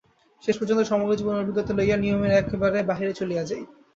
শেষ পর্যন্ত সমগ্র জীবনের অভিজ্ঞতা লইয়া নিয়মের একেবারে বাহিরে চলিয়া যাই।